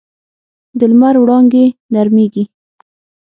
د لمر وړانګې نرمېږي